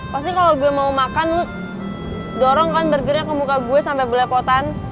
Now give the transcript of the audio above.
kan lo dorong kan burgernya ke muka gue sampe berlepotan